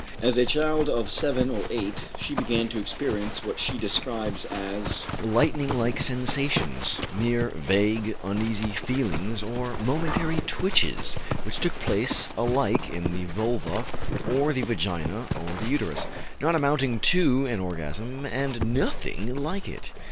As a child of seven or eight she began to experience what she describes as lightning like sensations, "mere, vague, uneasy feelings or momentary twitches, which took place alike in the vulva or the vagina or the uterus, not amounting to an orgasm and nothing like it."